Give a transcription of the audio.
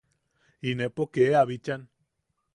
Inepo kee a bichan.